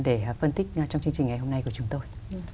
để phân tích trong chương trình ngày hôm nay của chúng tôi